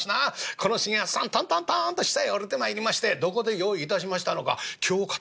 この茂八さんトントントンと下へ下りてまいりましてどこで用意致しましたのか経帷子。